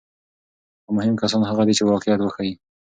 خو مهم کسان هغه دي چې واقعیت وښيي.